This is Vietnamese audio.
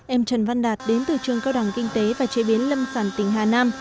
em trần văn đạt đến từ trường cao đẳng kinh tế và chế biến lâm sản tỉnh hà nam